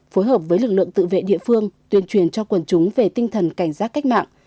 phối hợp với lực lượng tự vệ địa phương tuyên truyền cho quần chúng về tinh thần cảnh giác cách mạng